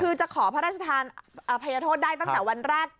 คือจะขอพระราชทานอภัยโทษได้ตั้งแต่วันแรก